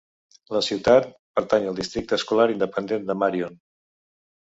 La ciutat pertany al districte escolar independent de Marion.